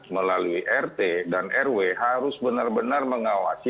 melalui rt dan rw harus benar benar mengawasi